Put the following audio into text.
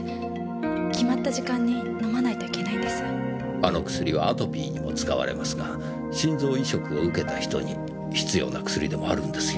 あの薬はアトピーにも使われますが心臓移植を受けた人に必要な薬でもあるんですよ。